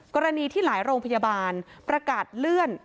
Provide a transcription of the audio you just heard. กรณีที่หลายโรงพยาบาลประกาศเลื่อน